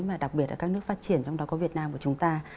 mà đặc biệt là các nước phát triển trong đó có việt nam của chúng ta